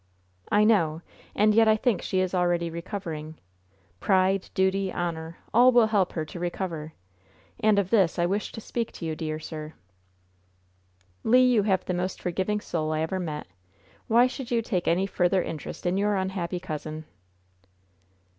"I know. And yet I think she is already recovering. Pride, duty, honor, all will help her to recover. And of this I wish to speak to you, dear sir." "Le, you have the most forgiving soul I ever met! Why should you take any further interest in your unhappy cousin?"